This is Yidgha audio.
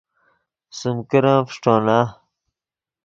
سیم کرن فݰٹونا